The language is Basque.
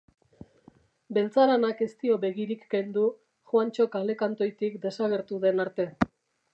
Beltzaranak ez dio begirik kendu, Juantxo kale kantoitik desagertu den arte.